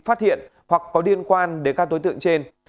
phát hiện hoặc có liên quan đến các đối tượng trên